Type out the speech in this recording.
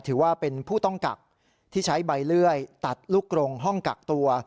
ถือว่าเป็นผู้ต้องกักที่ใช้ใบเลื่อยตัดลูกกรงห้องกักตัว